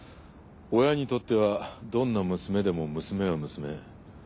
親にとってはどんな娘でも娘は娘。